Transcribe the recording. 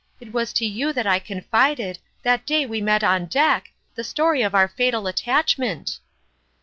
It was to you that I confided, that day we met on deck, the story of our fatal attachment."